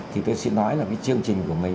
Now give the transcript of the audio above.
thì tôi xin nói là cái chương trình của mình